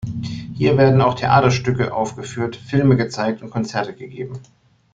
Hier werden auch Theaterstücke aufgeführt, Filme gezeigt und Konzerte gegeben.